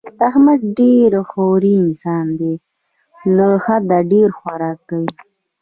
احمد ډېر خوری انسان دی، له حده ډېر خوراک کوي.